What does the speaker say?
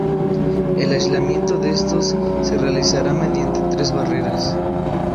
El aislamiento de estos se realizará mediante tres barreras.